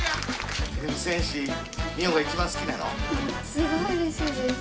すごいうれしいです。